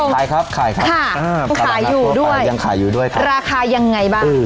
ถามตรงค่ะผู้ขายอยู่ด้วยราคายังไงบ้าง